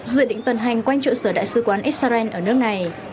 dự định tuần hành quanh trụ sở đại sứ quán israel ở nước này